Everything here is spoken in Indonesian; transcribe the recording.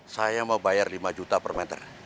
saya mau bayar lima juta per meter